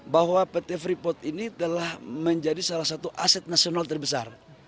bahwa pt freeport ini telah menjadi salah satu aset nasional terbesar